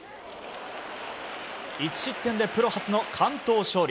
１失点でプロ初の完投勝利。